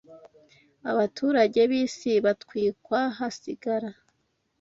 abaturage b’isi batwikwa hagasigara